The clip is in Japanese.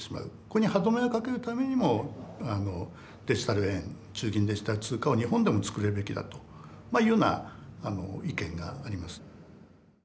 これに歯止めをかけるためにもデジタル円中銀デジタル通貨は日本でも作るべきだというような意見があります。